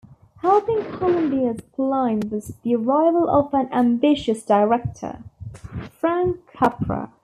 Helping Columbia's climb was the arrival of an ambitious director, Frank Capra.